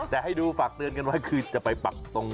แต่ให้ดูฝากเตือนกันไว้คือจะไปปักตรง